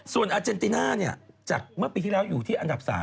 ส่วนอาเจนติน่าจากเมื่อปีที่แล้วอยู่ที่อันดับ๓